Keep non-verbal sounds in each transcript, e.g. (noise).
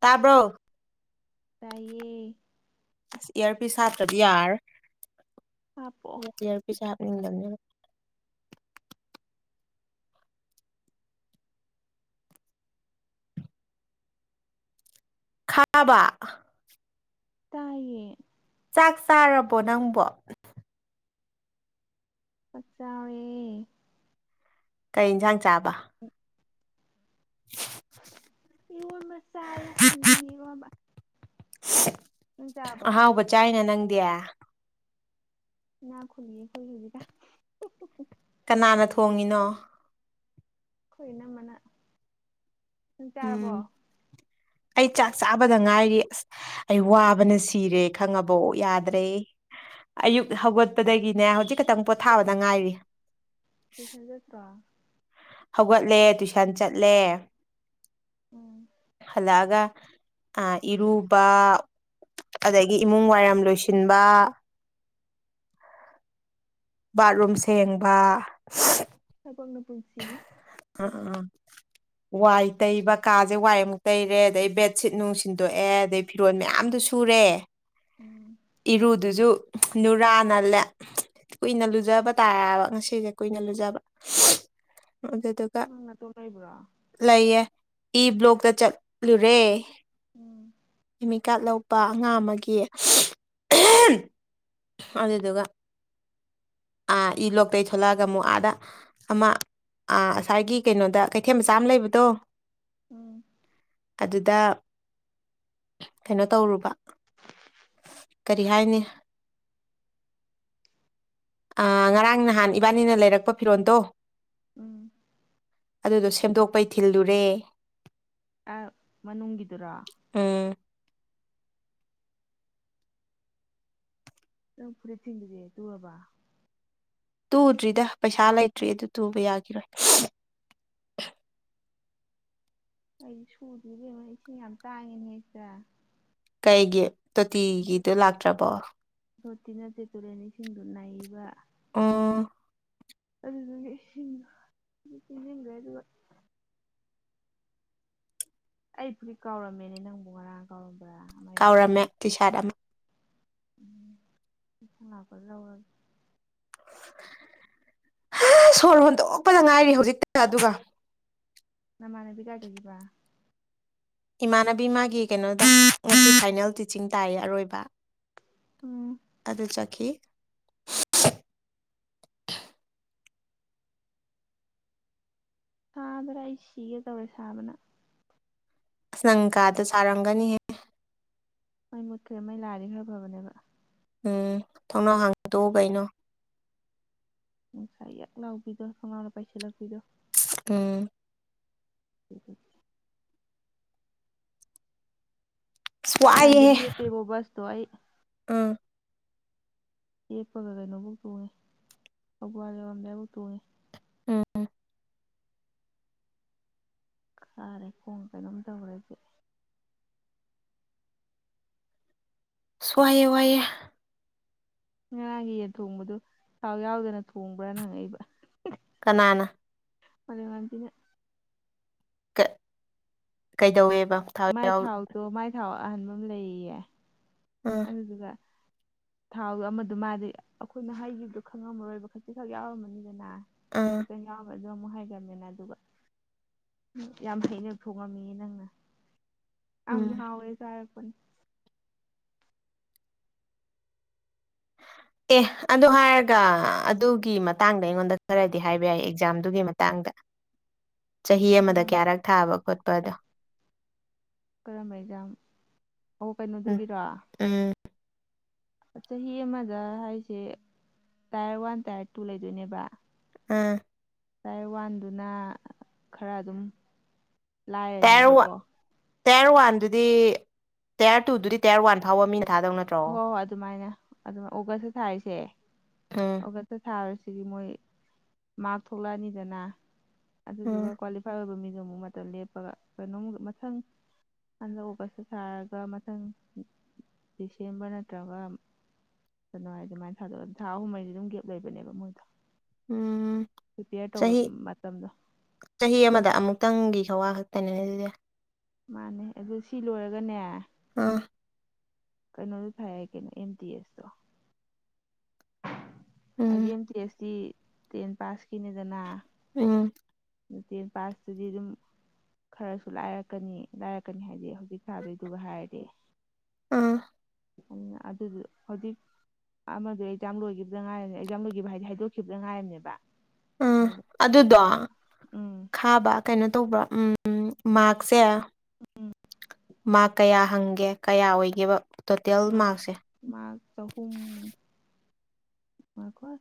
ꯇꯥꯕ꯭ꯔꯣ ꯇꯥꯢꯌꯦ ꯏꯌꯔ ꯄꯤ ꯁꯥꯇ꯭ꯔꯗꯤ ꯍꯥꯞꯄꯣ ꯌꯥꯔ ꯄꯩꯁꯥꯞꯅꯤꯗꯅꯤ ꯈꯥꯕ ꯇꯥꯏꯌꯦ ꯆꯥꯛ ꯆꯥꯔꯕꯣ ꯅꯪꯕꯣ ꯆꯥꯛ ꯆꯥꯔꯦ ꯀꯩ ꯌꯦꯟꯁꯥꯡ ꯆꯥꯕ ꯍ (inaudible) ꯏꯔꯣꯟꯕ ꯆꯥꯏꯌꯦ ꯊꯟꯖꯤꯡ ꯏꯔꯣꯟꯕ ꯅꯪ ꯆꯥꯔꯕꯣ ꯑꯍꯥꯎꯕ ꯆꯥꯏꯅ ꯅꯪꯗꯤ ꯢꯅꯥꯛ ꯈꯨꯟꯕꯤꯪꯑꯩꯈꯣꯢꯒꯤꯅꯤꯗ ꯀꯅꯥꯅ ꯊꯣꯡꯉꯤꯅꯣ ꯑꯩꯈꯣꯏ ꯅꯝꯕꯅ ꯅꯪ ꯆꯥꯔꯕꯣ ꯎꯝ ꯑꯩ ꯆꯥꯛ ꯆꯥꯕꯗ ꯉꯥꯏꯔꯤ ꯑꯁ ꯑꯩ ꯋꯥꯕꯅ ꯁꯤꯔꯦ ꯈꯪꯉꯕ ꯌꯥꯗ꯭ꯔꯦ ꯑꯌꯨꯛ ꯍꯧꯒꯠ ꯆꯠꯄꯗꯒꯤꯅꯦ ꯍꯧꯖꯤꯛ ꯛꯇꯪ ꯄꯣꯠꯊꯥꯕꯗ ꯉꯥꯏꯔꯤ ꯂꯣꯏꯁꯟꯖꯠꯇ꯭ꯔꯣ ꯍꯧꯒꯠꯂꯦ ꯇꯨꯏꯁꯟ ꯆꯠꯂꯦ ꯎꯝ ꯍꯜꯂꯛꯑꯒ ꯏꯔꯨꯕ ꯑꯗꯒꯤ ꯏꯃꯨꯡ ꯋꯥꯏꯔꯝ ꯂꯣꯏꯁꯤꯟꯕ ꯕꯥꯠꯔꯨꯝ ꯁꯦꯡꯕ ꯊꯕꯛꯅ ꯄꯨꯟꯁꯤꯅꯤ ꯎꯝ ꯎꯝ ꯋꯥꯏ ꯇꯩꯕ ꯀꯥꯁꯦ ꯋꯥꯏ ꯑꯃꯨꯛ ꯇꯩꯔꯦ ꯑꯗꯩ ꯕꯦꯠꯁꯤꯠ ꯅꯨꯡ ꯁꯤꯟꯗꯣꯛꯑꯦ ꯑꯗꯩ ꯐꯤꯔꯣꯜ ꯃꯌꯥꯝꯗꯨ ꯁꯨꯔꯦ ꯎꯝ ꯏꯔꯨꯗꯨꯁꯨ ꯅꯨꯔꯥ ꯅꯥꯠꯂꯦ ꯀꯨꯏꯅ ꯂꯨꯖꯕ ꯇꯥꯏꯕ ꯉꯁꯤꯁꯦ ꯀꯨꯏꯅ ꯂꯨꯖꯕ ꯑꯗꯨ ꯅꯪ ꯅꯠꯇꯣꯝ ꯂꯩꯕ꯭ꯔꯥ ꯂꯩꯌꯦ ꯏ ꯕ꯭ꯂꯣꯛꯇ ꯆꯠꯂꯨꯔꯦ ꯎꯝ ꯀꯥꯠ ꯂꯧꯕ ꯑꯉꯥꯡ ꯑꯃꯒꯤ ꯑꯗꯨꯗꯨꯒ ꯑꯥ ꯏ ꯂꯣꯛꯇꯩ ꯊꯣꯛꯂꯛꯑꯒ ꯑꯃꯨꯛ ꯑꯥꯗ ꯑꯃ ꯑꯥ ꯑ ꯉꯁꯥꯏꯒꯤ ꯀꯩꯅꯣꯗ ꯀꯩꯊꯦꯜ ꯃꯆꯥ ꯑꯃ ꯂꯩꯕꯗꯣ ꯎꯝ ꯑꯗꯨꯗ ꯀꯩꯅꯣ ꯇꯧꯔꯨꯕ ꯀꯔꯤ ꯍꯥꯏꯅꯤ ꯉꯔꯥꯡ ꯅꯍꯥꯟ ꯏꯕꯥꯅꯤꯅ ꯂꯩꯔꯛꯄ ꯐꯤꯔꯣꯟꯜꯗꯣ ꯎꯝ ꯑꯗꯨꯗꯣ ꯁꯦꯝꯗꯣꯛꯄꯩ ꯊꯤꯜꯂꯨꯔꯦ ꯑꯦ ꯃꯅꯨꯡꯒꯤꯗꯨꯔꯥ ꯎꯝ ꯑꯗꯨ ꯐ ꯄꯨꯔꯤ ꯇꯤꯟꯗꯨꯗꯤꯦ ꯇꯨꯍꯕ (inaudible) ꯇꯨꯗ꯭ꯔꯤꯗ ꯄꯩꯁꯥ ꯂꯩꯇ꯭ꯔꯤ ꯑꯗꯨ ꯇꯨꯕ ꯌꯥꯈꯤꯔꯣꯏ ꯑꯩ ꯁꯨꯗ꯭ꯔꯤꯕꯦꯝꯃ ꯏꯁꯤꯡ ꯌꯥꯝ ꯇꯥꯡꯉꯤꯅꯦ ꯑꯩꯁꯤꯗ ꯀꯩꯒꯤ ꯇꯣꯇꯤꯒꯤꯗꯨꯣ ꯂꯥꯛꯇ꯭ꯔꯕꯣ ꯇꯣꯠꯇꯤ ꯅꯠꯇꯦ ꯇꯨꯔꯦꯟ ꯏꯁꯤꯡꯗꯨ ꯅꯥꯏꯕ ꯑꯝ ꯑꯗꯨꯗꯨꯗꯒꯤꯟꯈ꯭ꯔꯦ ꯑꯗꯨꯒ ꯑꯩꯕꯨꯔꯤꯠ ꯀꯥꯎꯔꯝꯃꯦꯅꯦ ꯅꯪꯕꯨ ꯉꯔꯥꯡ ꯀꯥꯎꯔꯝꯕ꯭ꯔꯥ ꯑꯃ ꯌꯥꯂꯝꯕ꯭ꯔꯥ ꯇꯤꯁꯥꯔꯠ ꯑꯃ ꯎꯝ ꯂꯥꯛꯄ ꯂꯧꯔꯒꯦ ꯁꯣꯔ ꯍꯣꯟꯗꯣꯛ ꯑꯣꯞꯄꯗ ꯉꯥꯏꯔꯤ ꯍꯧꯖꯤꯛꯇ ꯑꯗꯨꯒ ꯅꯃꯥꯟꯅꯕꯤ ꯀꯥꯏꯖꯒꯤꯕ ꯏꯃꯥꯟꯅꯕꯤ ꯃꯥꯒꯤ ꯀꯩꯅꯣꯗ ꯉ ꯐꯥꯏꯅꯦꯜ ꯇꯤꯆꯤꯡ ꯇꯥꯏꯌꯦ ꯑꯔꯣꯏꯕ ꯎꯝ ꯑꯗꯨ ꯆꯠꯈꯤ ꯁꯥꯕ꯭ꯔꯥ ꯑꯩ ꯁꯤꯒꯦ ꯇꯧꯔꯦ ꯁꯥꯕꯅ ꯑ ꯅꯪꯀꯥꯗꯣ ꯆꯔꯝꯒꯅꯤꯍ‌ꯦ ꯃ ꯃꯨꯠꯈ꯭ꯔꯦ ꯃꯩ ꯂꯥꯏꯗꯤ ꯈꯔ ꯐꯕꯅꯦꯕ ꯎꯝ ꯊꯣꯡꯅꯥꯎ ꯍꯥꯡꯒꯗꯣꯛꯎ ꯀꯩꯅꯣ ꯅꯨꯡꯁꯥ ꯌꯛ ꯂꯥꯎꯕꯤꯗꯣ ꯀꯅꯥꯥꯎꯅ ꯄꯥꯏꯁꯤꯜꯂꯛꯄꯤꯗꯣ ꯎꯝ ꯎꯝ ꯑꯁ ꯉꯔꯥꯡꯗꯤ ꯂ‌ꯦꯞꯄꯤꯕꫭ ꯕꯨꯁꯇꫭ ꯑꯩ ꯑ ꯌꯦꯛꯄꯒ ꯀꯩꯅꯣꯐꯧ ꯇꯣꯡꯉꯦ ꯊꯧꯒ꯭ꯋꯥ ꯂꯩꯔꯝꯗꯥꯏꯐꯥꯎ ꯇꯣꯡꯉꯦ ꯎꯝ ꯀꯥꯔꯦ ꯈꯣꯡ ꯀꯩꯅꯣꯝ ꯇꯧꯔꯗꯤ ꯁꯋꯥꯏꯌꯦ ꯋꯥꯌꯦ ꯉꯔꯥꯡꯒꯤ ꯌꯦꯟ ꯊꯣꯡꯕꯗꯨ ꯊꯥꯎ ꯌꯥꯎꯗꯅ ꯊꯣꯡꯕ꯭ꯔꯥꯅ ꯍꯪꯉꯛꯏꯕ ꯀꯅꯥꯅ ꯃꯥꯂ‌ꯦꯝꯉꯥꯟꯕꯤꯅ ꯀꯩꯗꯧꯋꯦꯕ ꯊꯥꯎ ꯃꯥꯏ ꯌꯥꯎ ꯊꯥꯎꯗꯣ ꯃꯥꯏ ꯊꯥꯎ ꯑꯍꯟꯕ ꯑꯃ ꯂꯩꯌꯦ ꯑ ꯍꯖ ꯊꯥꯎꯗ ꯑꯃꯗ ꯃꯥꯗꯤ ꯑꯩꯈꯣꯏꯅ ꯍꯩꯈꯤꯕꯗꯣ ꯈꯪꯉꯝꯃꯔꯣꯏꯕ ꯈꯖꯤꯤꯈꯛ ꯌꯥꯎꯔꯝꯃꯅꯤꯗꯅ ꯑ ꯈꯤꯇꯪ ꯌꯥꯎꯕ ꯑꯗꯨ ꯑꯃꯨꯛ ꯍꯥꯏꯗꯃꯤꯅꯗꯩꯕ ꯌꯥꯝ ꯍꯩꯅ ꯊꯣꯡꯉꯝꯃꯤꯑ ꯅꯪꯅ ꯌꯥꯝꯁꯨ ꯎꯝ ꯍꯥꯎꯋꯦ ꯆꯥꯔꯛꯄꯅꯦ ꯍ ꯑꯦ ꯑꯗꯨ ꯍꯥꯏꯔꯒ ꯑꯗꯨꯒꯤ ꯃꯇꯥꯡꯗ ꯑꯩꯉꯣꯟꯗ ꯈꯔꯗꯤ ꯍꯥꯏꯕ ꯌꯥꯏ ꯑꯦꯛꯖꯥꯝꯗꯨꯒꯤ ꯃꯇꯥꯡꯗ ꯆꯍꯤ ꯑꯃꯗ ꯀꯔꯝ ꯀꯌꯥꯔꯛ ꯊꯥꯕ ꯈꯣꯠꯄꯗꯣ ꯀꯔꯝꯕ ꯖꯥꯝ ꯎꯝ ꯀꯩꯅꯣꯗꯨꯒꯤꯔꯣ ꯎꯝ ꯆꯍꯤ ꯑꯃꯗ ꯍꯥꯏꯁꯦ ꯇꯥꯏꯌꯔ ꯋꯥꯟ ꯇꯥꯏꯌꯔ ꯇꯨ ꯂꯩꯗꯣꯏꯅꯦꯕ ꯎꯝ ꯇꯥꯏ ꯋꯥꯟꯗꯨꯅ ꯈꯔ ꯑꯗꯨꯝ ꯇꯌꯔ ꯋꯥꯟ ꯂꯥꯏꯔꯅꯤꯕꯀꯣ ꯇꯌꯔ ꯋꯥꯟꯗꯨꯗꯤ ꯇꯌꯔ ꯇꯨꯗꯨꯗꯤ ꯇꯤꯌꯔ ꯋꯥꯟ ꯐꯥꯎꯕ ꯃꯤꯅ ꯊꯥꯗꯧꯅ ꯍꯣꯏ ꯍꯣꯏ ꯑꯗꯨꯃꯥꯏꯅ ꯑꯗꯨꯃꯥꯏꯅ ꯑꯣꯒꯁꯇ ꯊꯥꯔꯤꯁꯦ ꯑ ꯊꯥꯔꯁꯤꯗꯤ ꯃꯣꯏ ꯃꯔꯛ ꯊꯣꯛꯂꯛꯑꯅꯤꯗꯅ ꯎꯝ ꯑꯗꯨꯗꯨꯒ ꯀ꯭ꯋꯥꯐ ꯏꯐꯥꯏ ꯑꯣꯏꯕ ꯃꯤꯗꯨꯣ ꯑꯃꯨꯛ ꯃꯇꯝ ꯂꯦꯞꯄꯒ ꯀꯩꯅꯣꯝ ꯃꯊꯪ ꯍꯟꯗꯛꯑꯒꯁꯨ ꯁꯥꯔꯒ ꯃꯊꯪ ꯗꯤꯁꯦꯝꯕꯔ ꯅꯠꯇ꯭ꯔꯒ ꯀꯩꯅꯋꯥ ꯍꯥꯏ ꯑꯗꯨꯃꯥꯏꯅ ꯊꯗꯑꯒ ꯑꯗꯨꯝ ꯊꯥꯍꯨꯝ ꯃꯩꯗꯤ ꯑꯗꯨꯝ ꯒꯦꯞ ꯂꯩꯕꯅꯦ ꯃꯣꯏꯗꯣ ꯎꯝ ꯄ꯭ꯔꯤꯄꯦꯌꯔ ꯇꯧꯕ ꯆꯍꯤ ꯃꯇꯝꯗꯣ ꯆꯍꯤ ꯑꯃꯗ ꯑꯃꯨꯛꯇꯪꯒꯤ ꯈꯧꯋꯥ ꯈꯛꯇꯅꯤꯅꯦ ꯑꯗꯨꯗꯤ ꯃꯥꯅꯦ ꯑꯗꯨ ꯁꯤ ꯂꯣꯏꯔꯒꯅꯦ ꯑꯥ ꯀꯩꯅꯣꯁꯨ ꯐꯩꯔ ꯀꯩꯅꯣ ꯑꯦꯝ ꯇꯗꯤ ꯑꯦꯁꯇꯣ ꯍꯥꯏꯗꯤ ꯎꯝ ꯑꯦꯝ ꯇꯤꯁꯇꯤ ꯇꯦꯟ ꯄꯥꯁꯀꯤꯅꯤꯗꯅ ꯎꯝ ꯑꯗꯨ ꯇꯦꯟ ꯄꯥꯁꯇꯗꯤ ꯑꯗꯨꯝ ꯈꯔꯁꯨ ꯂꯥꯏꯔꯛꯀꯅꯤ ꯂꯥꯏꯔꯛꯀꯅꯤ ꯍꯥꯏꯗꯤ ꯍꯧꯖꯤꯛ ꯈꯥꯗꯣꯏꯗꯨ ꯍꯥꯏꯔꯦ ꯑꯥ ꯎ ꯑꯗꯨꯗꯤ ꯍꯧꯗꯤꯞ ꯑꯃꯗ ꯑꯦꯛꯖꯥꯝꯣꯏꯈꯤꯕꯗ ꯉꯥꯏꯔꯝꯅꯦ ꯑꯦꯛꯖꯥꯝ ꯂꯣꯏꯈꯤꯕ ꯍꯥꯏꯗꯤ ꯍꯥꯏꯗꯣꯛꯈꯤꯕꯗ ꯉꯥꯏꯔꯝꯅꯦꯕ ꯎꯝ ꯑꯗꯨꯗꯣ ꯎꯝ ꯊꯥꯕ ꯀꯩꯅꯣ ꯇꯧꯕ꯭ꯔ ꯎꯝ ꯃꯥꯔꯁꯦ ꯎꯝ ꯃꯥꯔꯛ ꯀꯌꯥ ꯍꯪꯒꯦ ꯀꯌꯥ ꯑꯣꯏꯒꯦꯕ ꯇꯣꯇꯦꯜ ꯃꯥꯔꯛꯁꯦ ꯃꯥ ꯆꯍꯨꯝ ꯋꯥꯣꯏꯀꯣ (inaudible)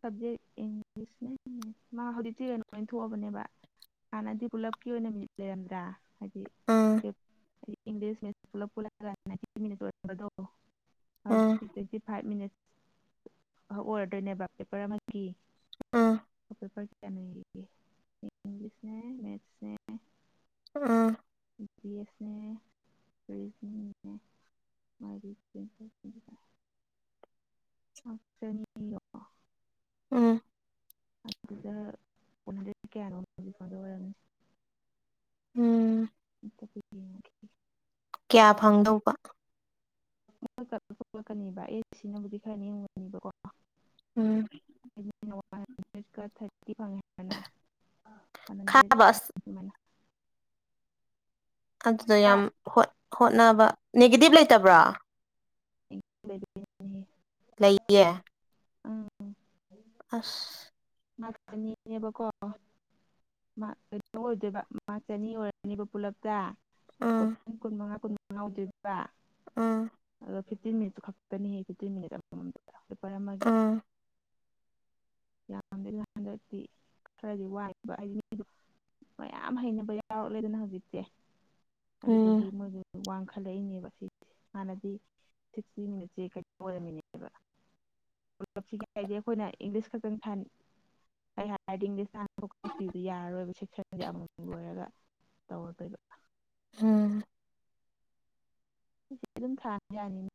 ꯁꯕꯖꯦꯛ ꯏꯪꯂꯤꯁꯅꯦ ꯃꯥ ꯍꯧꯖꯤꯛꯇꯤ ꯀꯩꯅꯣ ꯑꯣꯏꯅ ꯊꯣꯛꯑꯕꯅꯦꯕ ꯍꯥꯟꯅꯗꯤ ꯄꯨꯜꯂꯞꯀꯤ ꯑꯣꯏꯅ ꯃꯤꯜꯂꯦꯔ꯭ꯔꯥ ꯍꯥꯏꯗꯤ ꯎꯝ ꯏꯪꯂꯤꯁ ꯄꯨꯂ ꯄꯨꯑ ꯑꯣꯏꯗꯣ ꯎꯝ ꯍꯧꯖꯤꯛꯇꯤ ꯇ꯭ꯋꯦꯟꯇꯤ ꯐꯥꯏꯚ ꯃꯤꯅꯠꯁ ꯐꯛ ꯑꯣꯏꯔꯗꯣꯏꯅꯦꯕ ꯄꯦꯄꯔ ꯑꯃꯒꯤ ꯑꯥ ꯔ ꯏꯪꯂꯤꯁ ꯃꯦꯊꯅꯦ (inaudible) ꯑꯥ ꯕꯤ ꯄꯕꯤ ꯑꯦꯁꯅꯦ ꯔꯤꯖꯅꯤꯡꯅꯦ ꯃꯥ (inaudible) ꯑꯣꯅꯤ (inaudible) ꯎꯝ ꯑꯗꯨꯗꯗꯤ ꯀꯌꯥꯅꯣꯣ ꯍꯧꯖꯤꯛ ꯐꯗ ꯑꯣꯏꯔꯝꯅꯤ (inaudible) ꯎꯝ ꯑꯣ (inaudible) ꯀꯌꯥ ꯐꯪꯗꯧꯕ ꯊꯣꯛꯂꯛꯀꯅꯤꯕ ꯑꯦ ꯁꯤꯅꯕꯨꯗꯤ ꯈꯔ ꯅꯦꯝꯒꯅꯤꯕꯀꯣ ꯎꯝ ꯋꯥ ꯍꯟꯗ꯭ꯔꯦꯠꯀ ꯊꯥꯔꯇꯤ ꯐꯪꯉꯦ ꯍꯥꯏ ꯋꯥ ꯍꯟꯗ꯭ꯔꯦꯠ ꯈꯥꯕ (inaudible) ꯑꯁ ꯑꯗꯨꯗꯣ ꯍꯞꯇꯥ ꯌꯥꯝ ꯍꯣꯠꯅꯕ ꯅꯦꯒꯦꯇꯤꯕ ꯂꯩꯇꯕ꯭ꯔꯥ (unintelligible) ꯫ ꯂꯩꯌꯦ ꯑꯁ ꯃꯥꯅꯤꯅꯦꯕꯀꯣ (inaudible) ꯀꯩꯅꯣ ꯑꯣꯏꯗꯣꯏꯕ ꯃꯥ ꯆꯅꯤ ꯑꯣꯏꯔꯅꯦꯕ ꯄꯨꯜꯂꯞꯇ ꯎꯝ ꯀꯣꯏꯁꯟ ꯀꯨꯟ ꯃꯉꯥ ꯀꯨꯟ ꯃꯉꯥ ꯑꯣꯏꯗꯣꯏꯔꯤꯕ ꯑꯥ ꯑꯗꯣꯤꯐꯇꯤꯟ ꯃꯤꯅꯤꯠꯇꯨ ꯈꯛꯀꯅꯤ ꯐꯤꯞꯇꯤꯟ ꯃꯤꯅꯤꯠ ꯑꯃꯃꯝꯗ ꯄꯦꯄꯔ ꯑꯃꯒꯤ (inaudible) ꯎꯝ ꯌꯥꯝꯗ ꯍꯟꯗꯛꯇꯤ ꯈꯔꯗꯤ ꯋꯥꯏꯕ ꯍꯥꯏꯗꯤ ꯃꯤꯗꯨ ꯃꯌꯥꯝ ꯍꯩꯅꯕ ꯌꯥꯎꯔꯛꯂꯦꯗꯅ ꯍꯧꯖꯤꯛꯇꯤ ꯑꯗꯨꯗꯨꯒꯤ ꯎꯝ ꯃꯣꯏꯗꯨ ꯋꯥꯡꯈ ꯐꯔꯩꯂꯛꯏꯅꯦꯕꯥ ꯁꯤꯁꯦ ꯍꯥꯟꯅꯗꯤ ꯁꯤꯛꯁꯇꯤ ꯃꯤꯅꯠꯁꯦ ꯀꯩꯅꯣ ꯑꯣꯏꯔꯝꯃꯤꯅꯦꯕꯥ꯫ ꯂꯞꯁꯤꯒꯦ ꯍꯥꯏꯗꯤ ꯑꯩꯈꯣꯏꯅ ꯏꯪꯂꯤꯁ ꯈꯛꯇꯪ ꯊ ꯀꯩ ꯍꯥꯏꯔꯗꯤ (inaudible) ꯊꯠꯄꯁꯨ ꯌꯥꯔꯔꯣꯏꯕ ꯁꯦꯛꯁꯟꯁꯦ ꯑꯃꯃꯝ ꯂꯣꯏꯔꯒ ꯇꯧꯔꯗꯣꯏꯕꯥ꯫ ꯎꯝꯝ ꯁꯤꯁꯦ ꯑꯗꯨꯝ ꯊꯥꯕꯥ ꯌꯥꯅꯤꯅꯦ꯫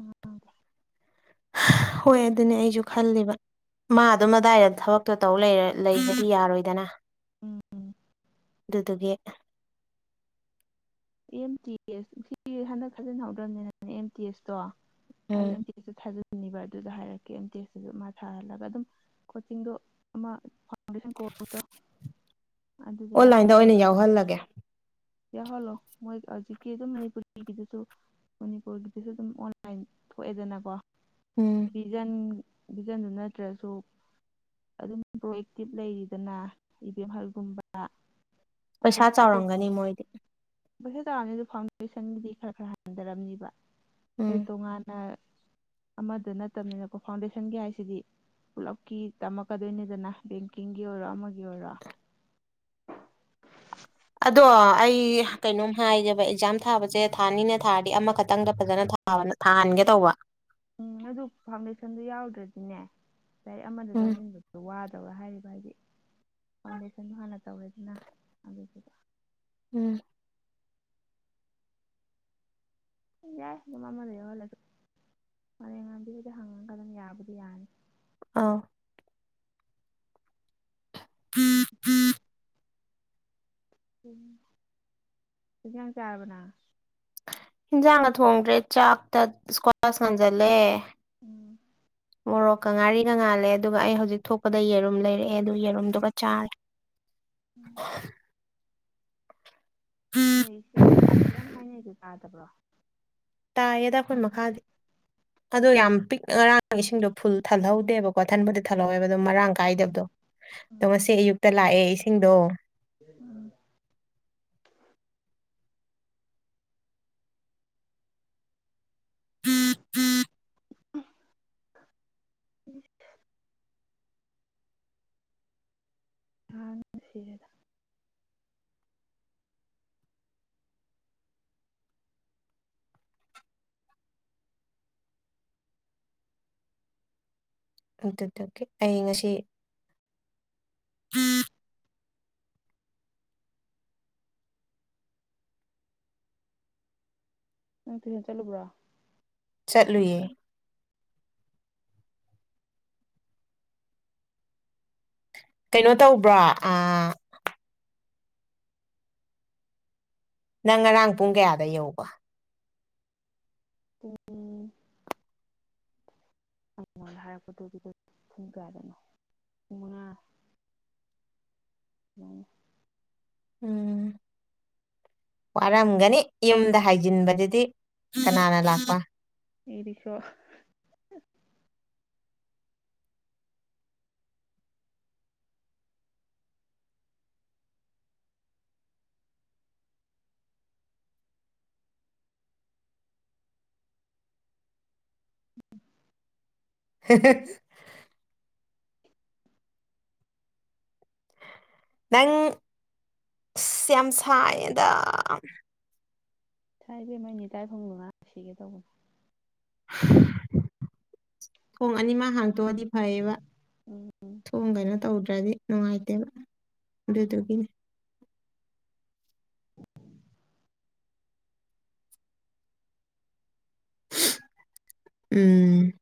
ꯑꯣꯥꯑꫭ (inaudible) ꯍꯥꯥ ꯍꯣꯏ ꯑꯗꯨꯅꯦ ꯑꯩꯁꯨ ꯈꯜꯂꯤꯕꯥ꯫ ꯃꯥ ꯑꯗꯨꯝ ꯑꯗꯨꯋꯥꯏꯗ ꯊꯕꯛꯇꯣ ꯇꯧ ꯂꯩꯕꯗꯤ ꯌꯥꯔꯣꯏꯗꯅꯥ ꯎꯝꯝ ꯎꯝꯝ ꯑꯗꯗꯨꯒꯤ ꯑꯦꯝ ꯇꯤ ꯑꯦꯁ ꯁꯤ ꯍꯟꯗꯛ ꯊꯇꯤꯟꯍꯧꯗ꯭ꯔꯕꯅꯤꯅꯅꯦ ꯑꯦꯝ ꯇꯤ ꯑꯦꯁꯇꯣ ꯑꯩ ꯎꯝ ꯑꯗꯨꯁꯨ ꯊꯥꯖꯟꯅꯤꯡꯕ ꯑꯗꯨꯗ ꯍꯥꯏꯔꯛꯀꯦ ꯑꯝꯇꯦꯛꯁꯇꯨꯁꯨ ꯃꯥ ꯊꯥꯍꯜꯂꯒ ꯑꯗꯨꯝ ꯀꯣꯆꯤꯡꯗꯣ ꯑꯃꯥ ꯐꯥꯎꯟꯗꯦꯁꯟ ꯀꯣꯔꯁꯇꫭ ꯑꯣꯟꯂꯥꯏꯟꯗꯥ ꯑꯣꯏꯅꯥ ꯌꯥꯎꯍꯜꯂꯒꯦ ꯌꯥꯎꯍꯜꯂꯣ ꯃꯣꯏꯒꯤ ꯍꯧꯖꯤꯛꯀꯤ ꯑꯗꯨꯝ ꯃꯅꯤꯄꯨꯔꯤꯒꯤꯗꯨꯁꯨ ꯃꯅꯤꯄꯨꯔꯒꯤꯗꯨꯁꯨ ꯑꯗꯨꯝ ꯑꯣꯟꯂꯥꯏꯟꯗꯥ ꯊꯣꯛꯑꯦꯗꯅꯥꯀꯣ ꯎꯝꯝ ꯚꯤꯖꯟꯅ ꯚꯤꯖꯟꯗꯨ ꯅꯠꯇ꯭ꯔꯁꯨ ꯑꯗꯨꯝ ꯄ꯭ꯔꯣ ꯑꯌꯦꯛꯇꯤꯞ ꯂꯩꯔꯤꯗꯅ ꯏꯕꯦꯝꯍꯜꯒꯨꯝꯕꯥ ꯄꯩꯁꯥ ꯆꯥꯎꯔꯝꯒꯅꯤ ꯃꯣꯒꯤꯗꯤ ꯄꯩꯁꯁꯡꯥ ꯆꯥꯎꯔꯛꯑꯅꯤ ꯑꯗꯨ ꯐꯥꯎꯟꯗꯦꯁꯟꯒꯤꯗꯤ ꯈꯔ ꯈꯔ ꯍꯟꯊꯔꯝꯅꯤꯕ ꯎꯝ ꯍꯥꯏꯗꯤ ꯇꯣꯉꯥꯟꯅ ꯑꯃꯗ ꯅꯠꯇꯕꯅꯤꯅꯀꯣ ꯐꯥꯎꯟꯗꯦꯁꯟꯒꯤ ꯍꯥꯏꯁꯤꯗꯤ ꯄꯨꯜꯂꯞ ꯀꯤ ꯇꯝꯂꯀꯥꯗꯣꯏꯅꯤ ꯗꯅ ꯕꯦꯡꯀꯤꯡꯒꯤ ꯑꯣꯏꯔꯣ ꯑꯃꯒꯤ ꯑꯣꯏꯔꯣ ꯑꯗꯣ ꯑꯩ ꯀꯩꯅꯣꯝ ꯍꯥꯏꯒꯦꯕꯥ ꯑꯦꯛꯖꯥꯝ ꯊꯥꯕꯁꯦ ꯊꯥꯅꯤꯅ ꯊꯥꯔꯗꯤ ꯑꯃꯈꯛꯇꯪꯗ ꯐꯖꯅꯥ ꯊꯥꯍꯟꯒꯦ ꯇꯧꯕꯥ ꯎꯝ ꯑꯗꯨ ꯐꯥꯎꯟꯗꯦꯁꯟꯗꯨ ꯌꯥꯎꯗ꯭ꯔꯗꯤꯅꯦ ꯂꯥꯏꯔꯤꯛ ꯑꯃꯗꯨ ꯎꯝ ꯆꯪꯁꯤꯟꯕꯥꯗꯨ ꯋꯥꯗꯧꯔꯥ ꯍꯥꯏꯔꯤꯕ ꯍꯥꯏꯗꯤ ꯐꯥꯎꯟꯗꯦꯁꯟꯗꯣ ꯍꯥꯟꯅ ꯇꯧꯔꯁꯤꯅ ꯑꯗꯨꯅꯥ ꯎꯝꯝ ꯎꯝ ꯌꯥꯏ ꯑꯗꯨꯝ ꯑꯃꯗ ꯌꯧꯍꯜꯂꯁꯨ ꯃꯣꯔꯦꯝꯉꯥꯟꯕꯤ ꯍꯪꯉꯒ ꯑꯗꯨꯝ ꯌꯥꯕꯨꯗꯤ ꯌꯥꯅꯤ ꯑꯥꯑꫭ ꯎ ꯎ (unintelligible) ꯎꯝ ꯀꯔꯤ ꯍꯟꯁꯥꯡ ꯆꯥꯔꯕꯥ ꯅꯪ ꯏꯟꯁꯥꯡꯒꯥ ꯊꯣꯡꯗ꯭ꯔꯦ ꯆꯥꯛꯇ ꯏꯁꯀ꯭ꯋꯥꯁ ꯉꯥꯟꯖꯤꯟꯜꯂꯦ ꯎꯝ ꯃꯣꯔꯣꯛꯀꯥ ꯉꯥꯔꯤꯒꯥ ꯉꯥꯜꯂꯦ ꯑꯗꯨ ꯑꯗꯨꯒꯥ ꯑꯩ ꯍꯧꯖꯤꯛ ꯊꯣꯛꯄꯗꯥ ꯌꯦꯔꯨꯝ ꯂꯩꯔꯛꯑꯦ ꯑꯗꯨ ꯌꯦꯔꯨꯝꯗꯨꯒ ꯆꯥꯔꯦ ꯅꯣꯏ ꯏꯁꯤꯡ ꯇꯥꯗꯕꯥ ꯌꯥꯝ ꯍꯥꯏꯅꯩꯗꯨ ꯇꯥꯗꯕ꯭ꯔꯣ ꯇꯥꯏꯌꯦꯗꯥ ꯑꯩꯈꯣꯏ ꯃꯈꯥꯗꯤ ꯑꯗꯣ ꯌꯥꯝ ꯄꯤꯛꯅ ꯉꯔꯥꯡ ꯏꯁꯤꯡꯗꯣ ꯐꯨꯜ ꯊꯜꯍꯧꯗꯦꯕꯥ꯫ ꯀ꯭ꯊꯟꯕꯨꯗ ꯊꯜꯂꯛꯑ°ꯕꯥ ꯑꯗꯨ ꯃꯔꯥꯡ ꯀꯥꯏꯗꯕꯗꯣ ꯑꯗꯣ ꯉꯁꯤ ꯑꯌꯨꯛꯇꯥ ꯂꯥꯛꯑꯦ ꯏꯁꯤꯡꯗꯣ ꯎꯝꯝ ꯎꯝ ꯎ (unintelligible) (inaudible) ꯀꯥꯡꯅ ꯁꯤꯔ°ꯗꯥ ꯑꯗꯨꯗꯒꯤ ꯑꯩ ꯉꯁꯤ ꯅꯪ ꯇꯨꯏꯁꯟ ꯆꯠꯂꯨꯕ꯭ꯔꯣ ꯆꯠꯂꯨꯌꯦꯗꯥ ꯀꯩꯅꯣ ꯇꯧꯕ꯭ꯔꯣ ꯑꯥꯑꯥ ꯅꯪ ꯉꯔꯥꯡ ꯄꯨꯡ ꯀꯌꯥꯗꯥ ꯌꯧꯕꯥ ꯄꯨꯡꯡꯡ ꯃꯈꫭꯏꯅꯥ ꯍꯥꯏꯔꯛꯄꯗꯨꯕꯨ ꯄꯨꯡ ꯀꯌꯥꯗꯅꯣ ꯄꯨꯡ ꯃꯉꯥ ꯌꯧꯔꯝꯅꯤ ꯎꯝꯝꯝ ꯋꯥꯔꯝꯒꯅꯤ ꯌꯨꯝꯗ ꯍꯥꯏꯖꯤꯟꯕꯗꯨꯗꯤ ꯀꯅꯥꯅ ꯂꯥꯛꯄ ꯏꯈꯣ ꯍ ꯅꯪ ꯁꯦꯝ꯭ꯌꯥꯝꯁꯥꯏꯗ ꯊꯥꯏꯕꯦꯝ ꯃꯅꯤ ꯇꯔꯥꯏꯐꯪꯗꯣ ꯉꯥꯛ ꯁꯤꯒꯦ ꯇꯧꯕꯅꯦ ꯊꯣꯡ ꯑꯅꯤꯃ ꯍꯥꯡꯇꯣꯛꯑꯗꯤ ꯐꯩꯌꯦꯕ ꯎꯝ ꯊꯣꯡꯒꯩꯅ ꯇꯧꯗ꯭ꯔꯗꯤ ꯅꯨꯡꯉꯥꯏꯇꯦꯕ ꯑꯗꯨꯗꯨꯒꯤꯅꯤ ꯎꯝ